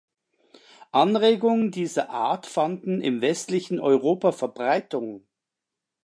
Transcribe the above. Anregungen dieser Art fanden im westlichen Europa Verbreitung.